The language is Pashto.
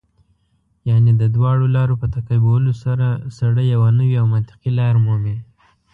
یعنې د دواړو لارو په تعقیبولو سره سړی یوه نوې او منطقي لار مومي.